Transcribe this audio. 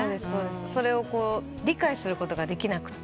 それを理解することができなくて。